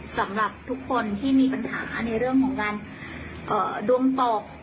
สำหรับทุกคนที่มีปัญหาในเรื่องของการดวงตก